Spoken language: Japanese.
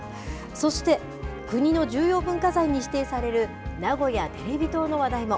そして、国の重要文化財に指定される名古屋テレビ塔の話題も。